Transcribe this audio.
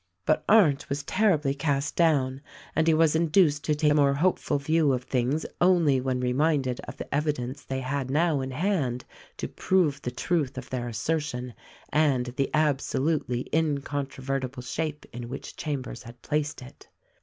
. But Arndt was terribly cast down ; and he was induced to take a more hopeful view of things only when reminded of the evidence they had now in hand to prove the truth of their assertion, and the absolutely incontrovertible shape in which Chambers had placed it.